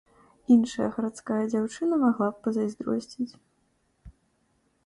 Іншая гарадская дзяўчына магла б пазайздросціць.